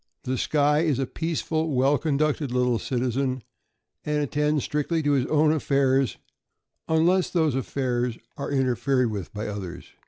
The Skye is a peaceful, well conducted little citizen, and attends strictly to his own affairs, unless those affairs are interfered with by others.